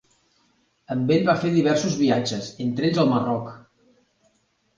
Amb ell va fer diversos viatges, entre ells al Marroc.